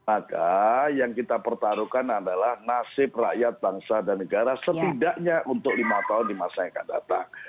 maka yang kita pertaruhkan adalah nasib rakyat bangsa dan negara setidaknya untuk lima tahun di masa yang akan datang